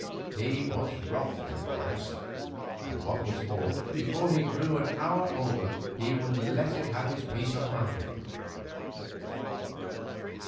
He was wroth with Morris, and what was more, before he grew an hour older he would let him have a piece of his mind.